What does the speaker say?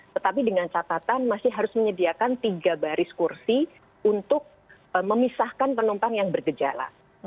tetapi dengan catatan masih harus menyediakan tiga baris kursi untuk memisahkan penumpang yang bergejala